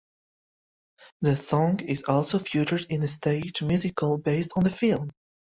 The song is also featured in the stage musical based on the film.